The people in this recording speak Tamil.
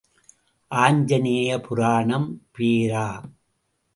ஆஞ்சநேய புராணம் பேரா.